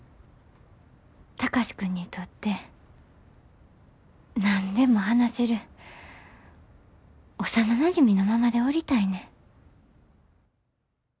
貴司君にとって何でも話せる幼なじみのままでおりたいねん。